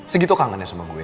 segitu kangen ya sama gue